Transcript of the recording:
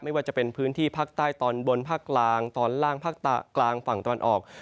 ว่าจะเป็นพื้นที่ภาคใต้ตอนบนภาคกลางตอนล่างภาคกลางฝั่งตะวันออก